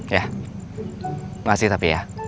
ya makasih tapi ya